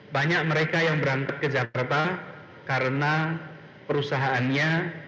banyak mereka yang berangkat ke jakarta karena perusahaannya